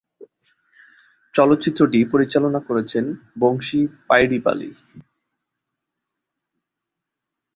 চলচ্চিত্রটি পরিচালনা করেছেন বংশী পাইডিপালি।